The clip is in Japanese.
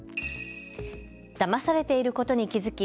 だまされていることに気付き